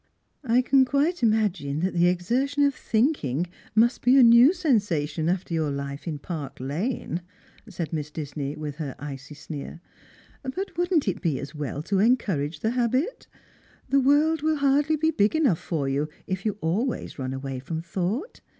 " I can quite imagine that the exertion of thinking must be a new sensation after your life in Park lane," said Miss Disney, with her icy sneer ;" but wouldn't it be as well to encourage the habit ? The world will hardly be big enough for you if you always run away from thought.